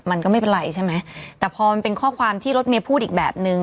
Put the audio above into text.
มันก็ไม่เป็นไรใช่ไหมแต่พอมันเป็นข้อความที่รถเมย์พูดอีกแบบนึง